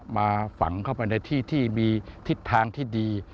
มาฝังเข้าไปในที่ที่มีทิศทางที่ดี